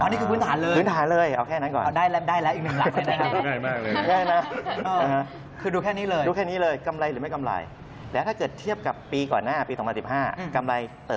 อ๋อนี่คือบื้นฐานเลยองค์แค่นั้นก่อนได้แล้วอีกหนึ่งหลัง